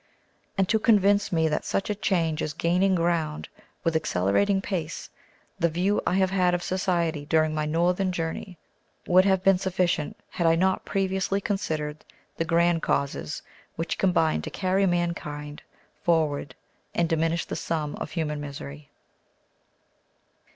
And, to convince me that such a change is gaining ground with accelerating pace, the view I have had of society during my northern journey would have been sufficient had I not previously considered the grand causes which combine to carry mankind forward and diminish the sum of human misery.